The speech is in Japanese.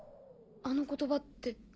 あの言葉って。